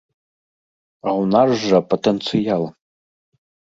А ў нас жа патэнцыял!